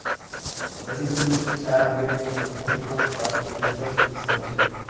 Recientemente se han abierto al público parte de estas instalaciones.